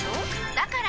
だから！